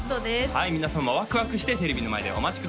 はい皆さんもワクワクしてテレビの前でお待ちください